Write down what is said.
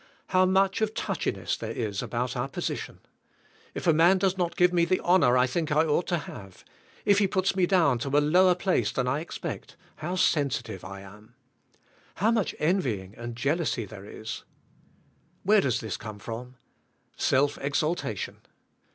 How much of touchiness there is about our position. If a man does not give me the honor I think I ought to have; if he puts me down to a lower place than I expect, how sensitive I am. How much envy and jealousy there is. V/here does this come from? Self exaltation.